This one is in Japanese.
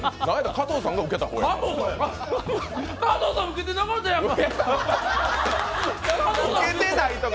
加藤さんウケてなかったやんか！